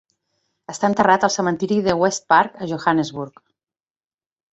Està enterrat al cementiri de West Park a Johannesburg.